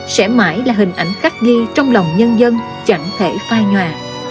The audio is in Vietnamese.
sẽ mãi là hình ảnh khắc ghi trong lòng nhân dân chẳng thể phai nhòa